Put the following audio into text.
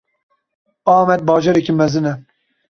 Amed bajarekî mezin e.